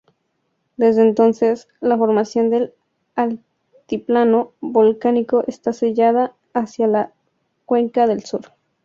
Desde entonces, la formación del altiplano volcánico está sellada hacia la cuenca del sur.